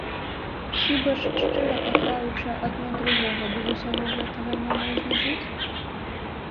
Хіба ж, шчыра кахаючы адно другога, без усяго гэтага няможна жыць?